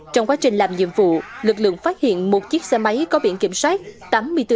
trong quá trình làm nhiệm vụ lực lượng phát hiện một chiếc xe máy có biện kiểm soát